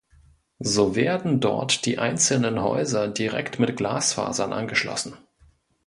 So werden dort die einzelnen Häuser direkt mit Glasfasern angeschlossen.